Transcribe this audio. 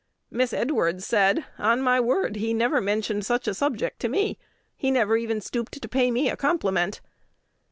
Miss Edwards said, 'On my word, he never mentioned such a subject to me: he never even stooped to pay me a compliment.'"